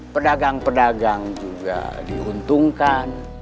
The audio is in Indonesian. pedagang pedagang juga diuntungkan